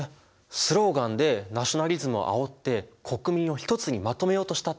スローガンでナショナリズムをあおって国民を一つにまとめようとしたってことか。